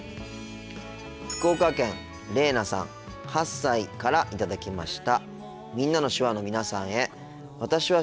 福岡県れいなさん８歳から頂きました。